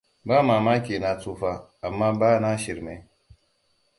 Ba mamaki na tsufa, amma ba na shirme.